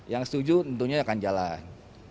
yang setuju tentunya akan jalan